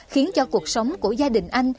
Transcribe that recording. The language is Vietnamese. khiến cho cuộc sống của gia đình anh